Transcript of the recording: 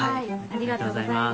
ありがとうございます。